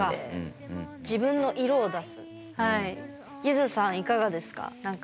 ゆずさん、いかがですか。